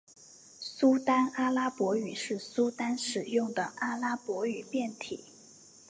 苏丹阿拉伯语是苏丹使用的阿拉伯语变体。